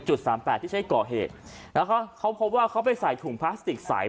สามแปดที่ใช้ก่อเหตุนะคะเขาพบว่าเขาไปใส่ถุงพลาสติกสาย